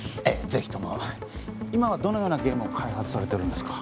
ぜひとも今はどのようなゲームを開発されてるんですか